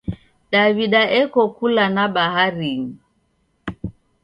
Daw'ida eko kula na baharinyi.